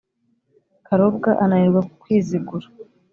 karobwa ananirwa kwizigura.